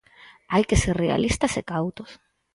Hai que ser realistas e cautos.